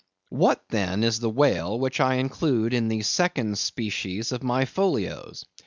What then is the whale, which I include in the second species of my Folios?